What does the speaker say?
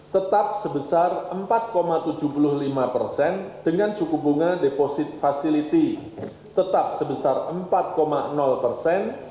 tetap sebesar empat tujuh puluh lima persen dengan suku bunga deposit facility tetap sebesar empat persen